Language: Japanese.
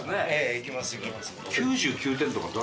いきますいきます。